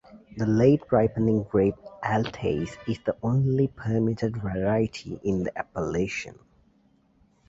The late-ripening grape Altesse is the only permitted variety in the appellation.